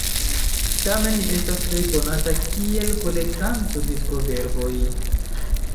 Tamen li estas plej konata kiel kolektanto de proverboj.